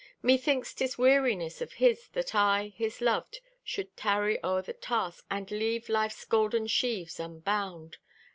Methinks 'tis weariness of His that I, His loved, should tarry o'er the task And leave life's golden sheaves unbound.